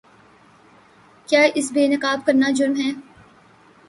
کیا اسے بے نقاب کرنا جرم ہے؟